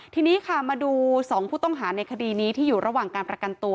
ทีนี้ค่ะมาดู๒ผู้ต้องหาในคดีนี้ที่อยู่ระหว่างการประกันตัว